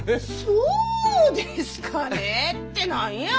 そうですかねって何や！